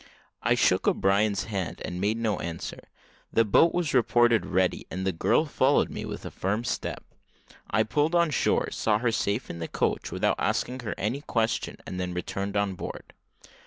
I shook O'Brien's hand, and made no answer the boat was reported ready, and the girl followed me with a firm step. I pulled on shore, saw her safe in the coach, without asking her any question, and then returned on board.